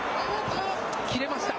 切れました。